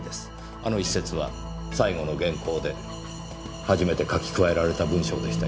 あの一節は最後の原稿で初めて書き加えられた文章でしたよ。